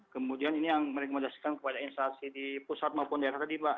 kemudian ini yang merekomendasikan kepada instasi di pusat maupun daerah tadi pak